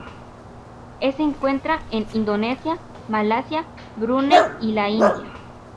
Es encuentra en Indonesia, Malasia, Brunei y la India.